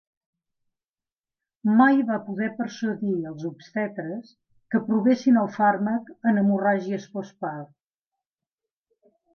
Mai va poder persuadir els obstetres que provessin el fàrmac en hemorràgies postpart.